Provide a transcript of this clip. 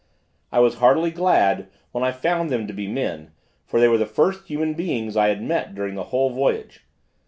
I was heartily glad, when I found them to be men, for they were the first human beings I had met during the whole voyage.